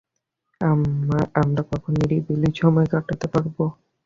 আমরা কখন নিরিবিলি সময় কাটাতে পারব?